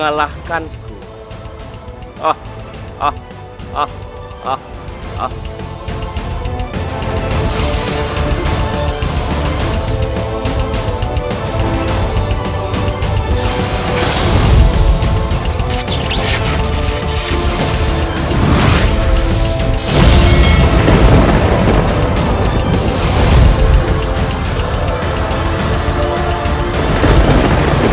kau akan mengalahkanku